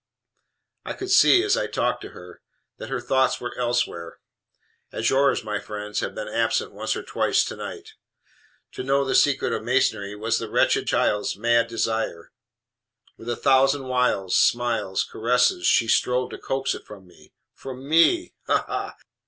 I could see, as I talked to her, that her thoughts were elsewhere (as yours, my friend, have been absent once or twice to night). To know the secret of Masonry was the wretched child's mad desire. With a thousand wiles, smiles, caresses, she strove to coax it from me from ME ha! ha!